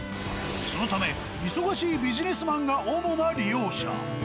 そのため忙しいビジネスマンが主な利用者。